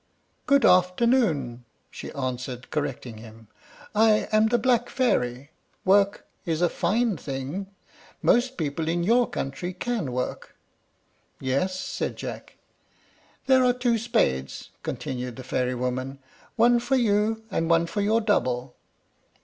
"Good afternoon!" she answered, correcting him. "I am the black fairy. Work is a fine thing. Most people in your country can work." "Yes," said Jack. "There are two spades," continued the fairy woman, "one for you, and one for your double."